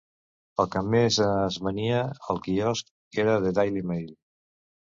El que més es venia al quiosc era The Daily Mail.